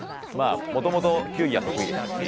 もともと球技は得意でしたし